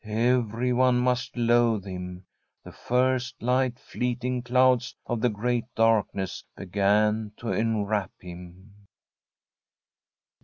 Everyone must loathe him. The first light, fleeting clouds of the great darkness began to enwrap him.